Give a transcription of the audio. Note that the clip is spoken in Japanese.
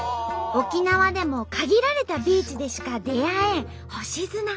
沖縄でも限られたビーチでしか出会えん星砂。